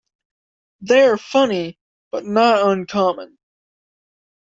They are funny, but not uncommon.